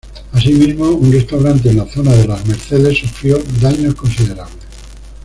Asimismo un restaurante en la zona de "Las Mercedes" sufrió daños considerables.